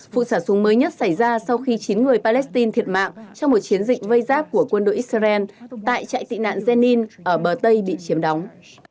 phụ sản súng mới nhất xảy ra sau khi chín người palestine thiệt mạng trong một chiến dịch vây giác của quân đội israel tại trại tị nạn jenin ở bờ tây bị chiếm đóng